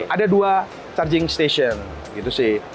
ada dua charging station gitu sih